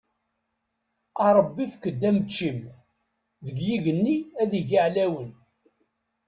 A Ṛebbi efk-d ameččim, deg yigenni ad yegg iɛlawen.